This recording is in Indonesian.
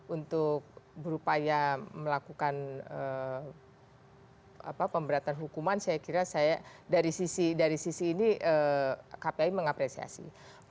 untuk berupaya melakukan pemberatan hukuman saya kira saya dari sisi ini kpi mengapresiasi